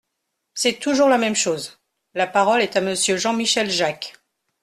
C’est toujours la même chose ! La parole est à Monsieur Jean-Michel Jacques.